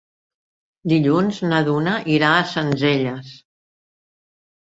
Dilluns na Duna irà a Sencelles.